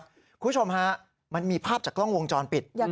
คุณผู้ชมฮะมันมีภาพจากกล้องวงจรปิด